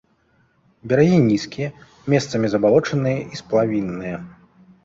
Берагі нізкія, месцамі забалочаныя і сплавінныя.